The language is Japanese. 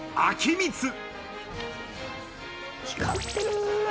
光ってる！